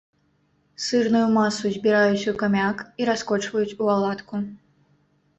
Сырную масу збіраюць у камяк і раскочваюць у аладку.